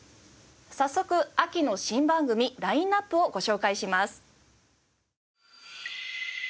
早速秋の新番組ラインアップをご紹介します。